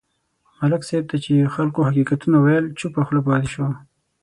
ملک صاحب ته چې خلکو حقیقتونه وویل، چوپه خوله پاتې شو.